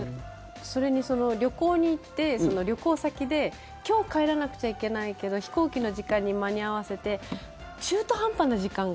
それに、旅行に行ってその旅行先で今日帰らなくちゃいけないけど飛行機の時間に間に合わせてあります！